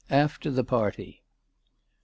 AFTER THE PARTY. .